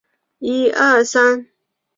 勒夫雷斯恩波雷。